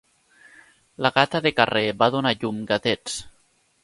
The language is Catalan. La gata de carrer va donar a llum gatets.